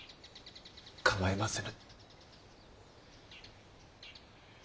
構いませぬ。